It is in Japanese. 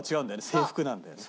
制服なんだよね。